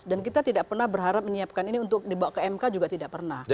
dan kita tidak pernah berharap menyiapkan ini untuk dibawa ke mk juga tidak pernah